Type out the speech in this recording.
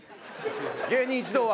芸人一同は。